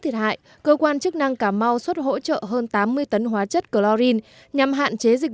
thiệt hại cơ quan chức năng cà mau xuất hỗ trợ hơn tám mươi tấn hóa chất chlorine nhằm hạn chế dịch